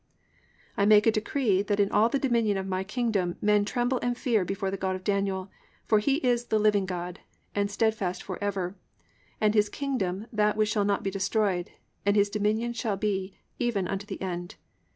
... "(26) I make a decree, that in all the dominion of my kingdom men tremble and fear before the God of Daniel; for he is the living God, and stedfast for ever, and his kingdom that which shall not be destroyed and his dominion shall be even unto the end.